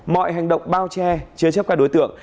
mọi hành động bao che chứa chấp các đối tượng